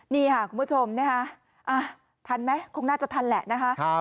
นี่ค่ะคุณผู้ชมนะคะทันไหมคงน่าจะทันแหละนะคะ